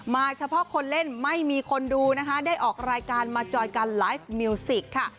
เฉพาะคนเล่นไม่มีคนดูนะคะได้ออกรายการมาจอยกันไลฟ์มิวสิกค่ะ